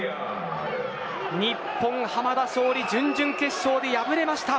日本、濱田尚里準々決勝で敗れました。